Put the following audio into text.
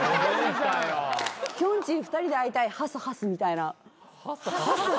きょんちぃ２人で会いたいハスハスみたいな。